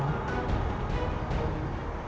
pantas buat aku